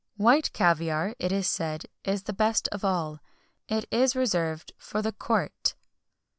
White caviar, it is said, is the best of all. It is reserved for the court.